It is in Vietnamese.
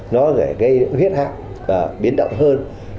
nó gây huyết hạng biến động hơn